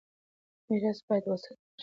ميراث بايد وساتل شي.